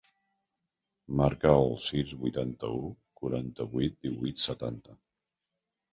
Marca el sis, vuitanta-u, quaranta-vuit, divuit, setanta.